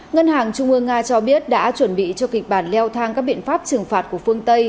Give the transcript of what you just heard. ngân hàng trung ương nga cho biết đã chuẩn bị cho kịch bản leo thang các biện pháp trừng phạt của phương tây